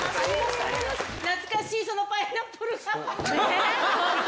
懐かしい、そのパイナップル。